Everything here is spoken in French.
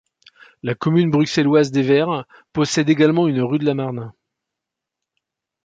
La commune bruxelloise d'Evere possède également une rue de la Marne.